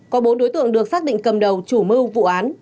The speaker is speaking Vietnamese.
có bốn đối tượng được xác định cầm đầu chủ mưu vụ án